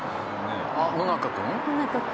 あっ野中君？